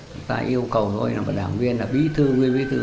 người ta yêu cầu tôi là một đảng viên là bí thư nguyên bí thư